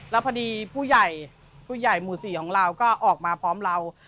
แล้วพอดีผู้ใหญ่ผู้ใหญ่หมู่๔ของเราก็ออกมาพร้อมเรา